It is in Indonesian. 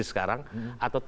itu kalau berarti